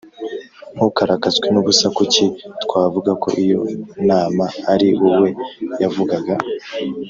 Ntukarakazwe n’ubusa kuki twavuga ko iyo nama ari wowe yavugaga